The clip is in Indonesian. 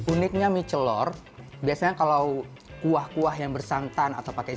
uniknya mie celor biasanya kalau kuah kuah yang bersantan atau pakai